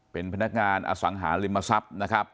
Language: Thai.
เป็นพนักงานอสังหาริมทรัพย์นะครับ